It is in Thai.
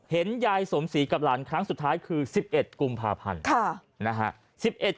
เห็นยายสมศรีกับหลานครั้งสุดท้ายคือ๑๑กุมภาพันธ์นะฮะ